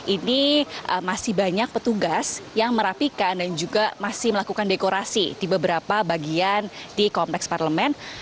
ini masih banyak petugas yang merapikan dan juga masih melakukan dekorasi di beberapa bagian di kompleks parlemen